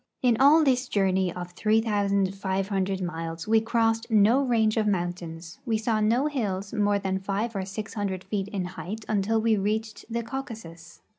In all this journey of 3,500 miles we crossed no range of mountains, we saw no hills more than five or six hundred feet in height until we reached the Cau casus.